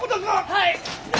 はい！